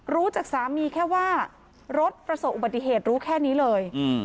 รู้จากสามีแค่ว่ารถประสบอุบัติเหตุรู้แค่นี้เลย